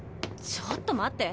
ちょっと待って。